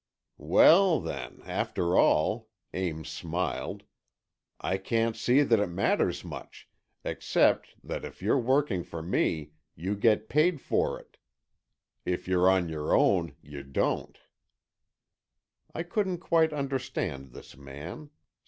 "Well, then, after all," Ames smiled, "I can't see that it matters much, except that if you're working for me, you get paid for it, if you're on your own, you don't." I couldn't quite understand this man.